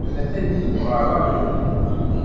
Atan deg uɣerrabu.